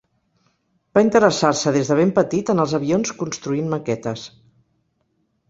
Va interessar-se des de ben petit en els avions construint maquetes.